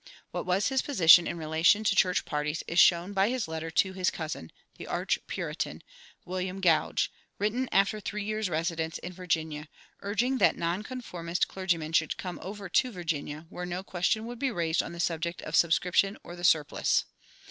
What was his position in relation to church parties is shown by his letter to his cousin, the "arch Puritan," William Gouge, written after three years' residence in Virginia, urging that nonconformist clergymen should come over to Virginia, where no question would be raised on the subject of subscription or the surplice.